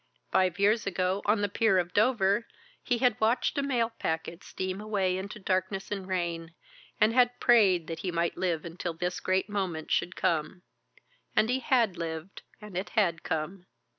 Five years ago on the pier of Dover he had watched a mail packet steam away into darkness and rain, and had prayed that he might live until this great moment should come. And he had lived and it had come.